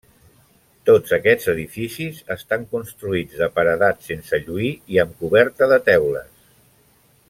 Tots aquests edificis estan construïts de paredat sense lluir i amb coberta de teules.